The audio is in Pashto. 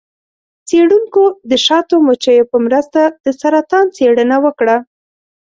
څیړونکو د شاتو مچیو په مرسته د سرطان څیړنه وکړه.